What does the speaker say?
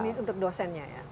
ini untuk dosennya ya